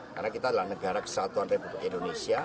karena kita adalah negara kesatuan republik indonesia